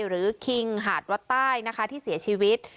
คิงหาดวัดใต้นะคะที่เสียชีวิต